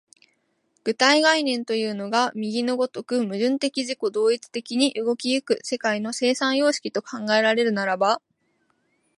具体概念というのが右の如く矛盾的自己同一的に動き行く世界の生産様式と考えられるならば、